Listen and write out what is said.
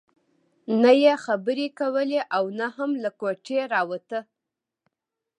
نه يې خبرې کولې او نه هم له کوټې راوته.